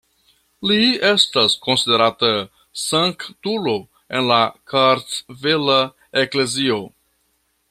Li estas konsiderata sanktulo en la Kartvela Eklezio.